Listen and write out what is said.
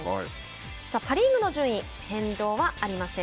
パ・リーグの順位変動はありません。